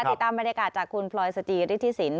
ติดตามบรรยากาศจากคุณพลอยสจีริฐศิลป์